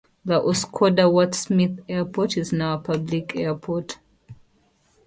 The Oscoda-Wurtsmith Airport is now a public airport.